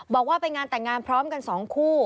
บอกว่าไปงานแต่งงานพร้อมกัน๒คู่